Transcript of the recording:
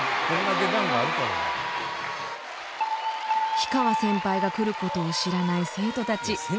氷川先輩が来ることを知らない生徒たち。